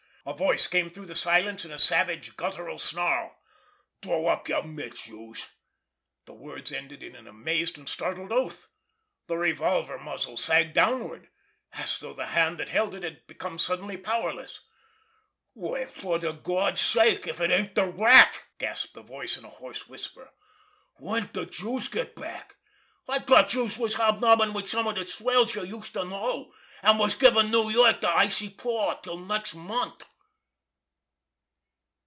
A voice came through the silence in a savage, guttural snarl: "Throw up yer mitts, youse——" The words ended in an amazed and startled oath. The revolver muzzle sagged downward, as though the hand that held it had become suddenly powerless. "Well, fer Gawd's sake, if it ain't de Rat!" gasped the voice in a hoarse whisper. "When did youse get back? I thought youse was hobnobbin' wid some of de swells youse used to know, an' was givin' Noo Yoik de icy paw until next month!"